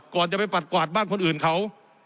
ก่อนจะไปปัดกวาดบ้านคนอื่นเขา